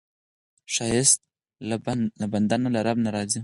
ښایست له بنده نه، له رب نه راځي